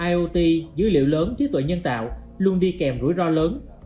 iot dữ liệu lớn trí tuệ nhân tạo luôn đi kèm rủi ro lớn